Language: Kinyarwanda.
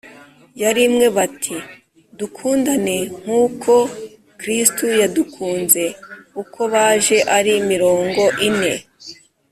yari imwe bati :« dukundane nk’uko kristu yadukunze ». uko baje ari mirongo ine